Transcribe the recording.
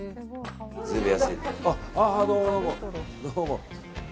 どうも、どうも。